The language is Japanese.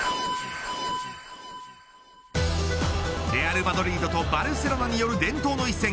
レアル・マドリードとバルセロナによる伝統の一戦。